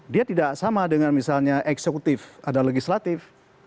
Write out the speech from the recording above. dia tidak sama dengan misalnya eksekutif ada legislatif